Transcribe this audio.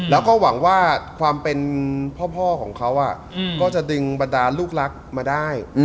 แล้วก็หวังว่าความเป็นพ่อของเขาก็จะดึงบรรดาลูกรักมาได้